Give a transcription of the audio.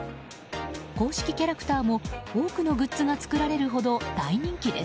公式キャラクターも多くのグッズが作られるほど大人気です。